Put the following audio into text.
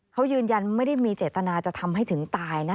เขายืนยันไม่ได้มีเจตนาจะทำให้ถึงตายนะ